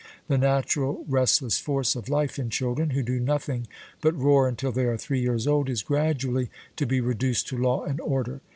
The natural restless force of life in children, 'who do nothing but roar until they are three years old,' is gradually to be reduced to law and order.